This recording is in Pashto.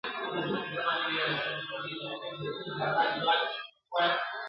چي له پرهار څخه مي ستړی مسیحا ووینم ..